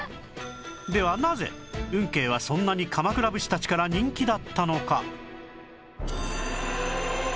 ではなぜ運慶はそんなに鎌倉武士たちから人気だったのか？